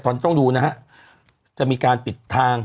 ตอนนี้ต้องดูนะฮะจะมีการปิดทาง